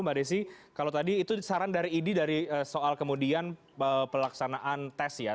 mbak desi kalau tadi itu saran dari idi dari soal kemudian pelaksanaan tes ya